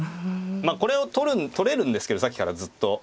まあこれを取れるんですけどさっきからずっと。